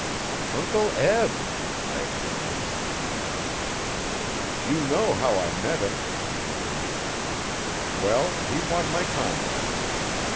'Uncle Eb!' I exclaimed. 'You know how I met him,' he continued. 'Well, he won my confidence.